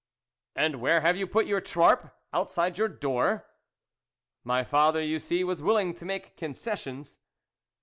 " And where have you put your trarp ? Outside your door ?" My father, you see, was willing to make concessions.